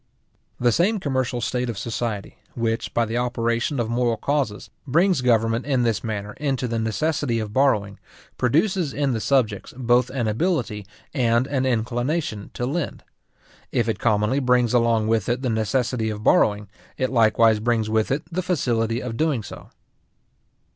The same commercial state of society which, by the operation of moral causes, brings government in this manner into the necessity of borrowing, produces in the subjects both an ability and an inclination to lend. If it commonly brings along with it the necessity of borrowing, it likewise brings with it the facility of doing so.